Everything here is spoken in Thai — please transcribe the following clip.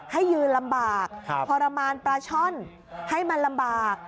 ให้ยืนลำบากทรมานปลาช่อนให้มันลำบาก